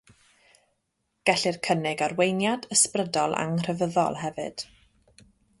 Gellir cynnig arweiniad ysbrydol anghrefyddol hefyd.